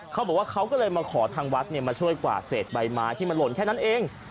เขาบอกว่าเขาก็เลยมาขอทางวัดมาช่วยกวาดเศษใบไม้ที่มันหล่นแค่นั้นเอง